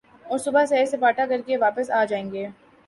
اور صبح سیر سپاٹا کر کے واپس آ جائیں گے ۔